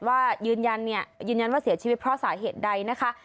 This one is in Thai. ว่ายืนยันว่าเสียชีวิตเพราะสาเหตุใดนะคะ